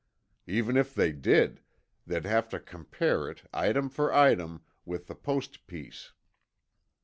Even if they did, they'd have to compare it, item for item, with the Post piece."